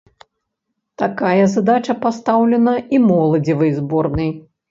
Такая задача пастаўлена і моладзевай зборнай.